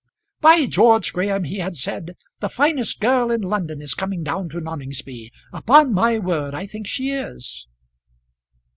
"By George, Graham," he had said, "the finest girl in London is coming down to Noningsby; upon my word I think she is."